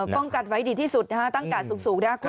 ป้องกันไว้ดีที่สุดนะฮะตั้งกาดสูงนะครับ